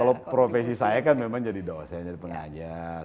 kalau profesi saya kan memang jadi dosen jadi pengajar